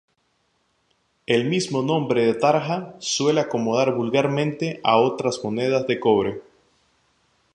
El mismo nombre de tarja suelen acomodar vulgarmente a otras monedas de cobre.